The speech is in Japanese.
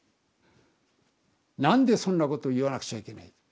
何でそんなこと言わなくちゃいけない。